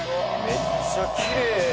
「めっちゃきれいやん」